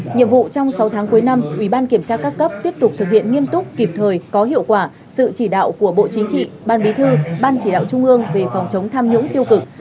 nhiệm vụ trong sáu tháng cuối năm ubkc tiếp tục thực hiện nghiêm túc kịp thời có hiệu quả sự chỉ đạo của bộ chính trị ban bí thư ban chỉ đạo trung ương về phòng chống tham nhũng tiêu cực